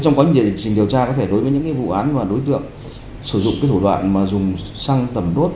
trong quá trình điều tra có thể đối với những vụ án và đối tượng sử dụng thủ đoạn dùng sang tầm đốt